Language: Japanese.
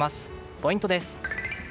ポイントです。